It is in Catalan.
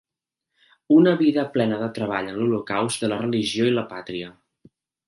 Una vida plena de treball en l’holocaust de la religió i la pàtria.